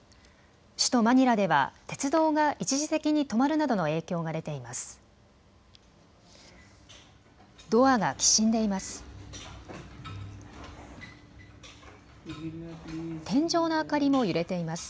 首都マニラでは鉄道が一時的に止まるなどの影響が出ています。